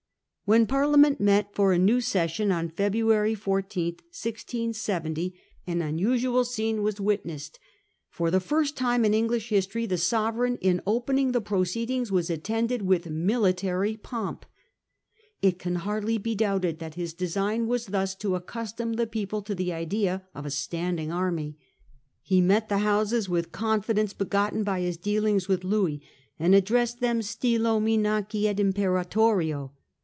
When Parliament met for a new session on February 14, 1670, an unusual scene was witnessed. For the first time Charles ' n English history .the sovereign in opening opens ^ t the proceedings was attended with military with military pomp. It can hardly be doubted that his display. design was thus to accustom the people to the idea of a standing army. He met the Houses with con fidence begotten by his dealings with Louis, and addressed them 4 stylo minaci et imperatorio.